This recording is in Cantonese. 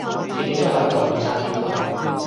自己出去同佢拆掂佢